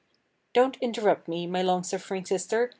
Don't interrupt me, my long suffering sister!